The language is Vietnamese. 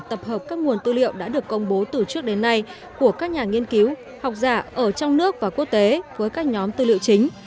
tập hợp các nguồn tư liệu đã được công bố từ trước đến nay của các nhà nghiên cứu học giả ở trong nước và quốc tế với các nhóm tư liệu chính